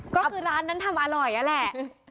ก็คือร้านนั้นทำอร่อยนั่นแหละ